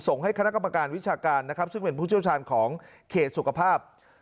ให้คณะกรรมการวิชาการนะครับซึ่งเป็นผู้เชี่ยวชาญของเขตสุขภาพ